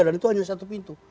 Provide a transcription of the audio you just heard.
dan itu hanya satu pintu